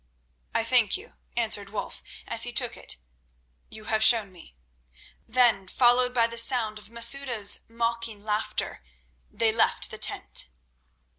"I thank you," answered Wulf as he took it; "you have shown me." Then, followed by the sound of Masouda's mocking laughter, they left the tent.